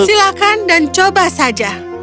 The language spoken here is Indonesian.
silakan dan coba saja